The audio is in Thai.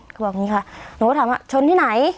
เขาบอกอย่างนี้ค่ะหนูก็ถามว่าชนที่ไหน